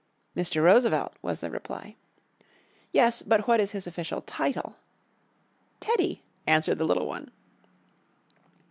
"Mr. Roosevelt," was the reply. "Yes, but what is his official title?" "Teddy," answered the little one.